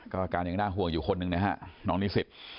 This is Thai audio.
อาการยังน่าห่วงอยู่คนหนึ่งนะฮะน้องนิสิต